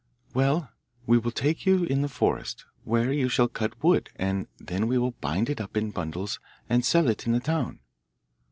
'Well, we will take you in the forest, where you shall cut wood, and then we will bind it up in bundles and sell it in the town.